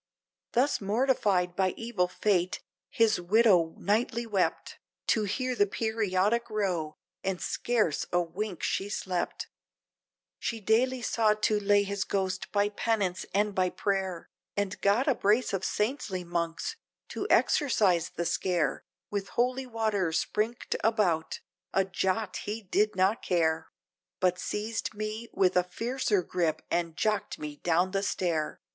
Thus mortified by evil fate, his widow nightly wept, To hear the periodic row, and scarce a wink she slept; She daily sought to lay his ghost by penance and by prayer, And got a brace of saintly monks, to exorcise the scare With holy water sprinked about, a jot he did not care! But seized me with a fiercer grip, and jocked me down the stair!